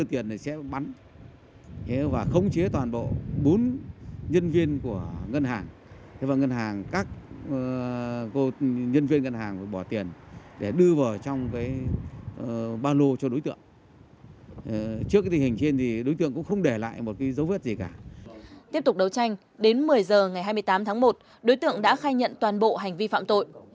tiếp tục đấu tranh đến một mươi h ngày hai mươi tám tháng một đối tượng đã khai nhận toàn bộ hành vi phạm tội